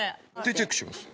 チェックします。